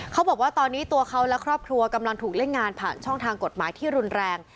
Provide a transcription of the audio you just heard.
เขาบอกว่าตอนนี้ตัวเขาและครอบครัวกำลังถูกเล่นงานผ่านช่องทางกฎหมายที่รุนแรง